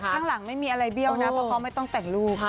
ข้างหลังไม่มีอะไรเบี้ยวนะเพราะเขาไม่ต้องแต่งลูก